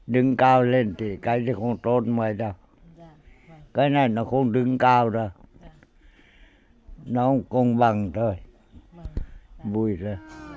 đứng cao lên thì cái gì cũng không tốt mấy đâu cái này nó không đứng cao đâu nó không công bằng thôi bụi ra